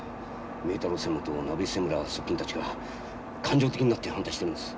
明太郎専務と鍋井専務ら側近たちが感情的になって反対してるんです。